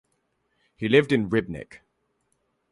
He lived in Rybnik.